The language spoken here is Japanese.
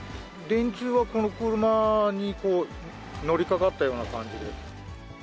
電柱はこの車に乗りかかったような感じで。